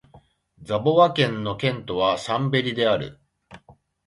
サヴォワ県の県都はシャンベリである